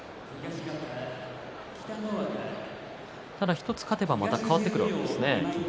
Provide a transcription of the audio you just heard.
ただ１つ勝てば変わってくるわけですね。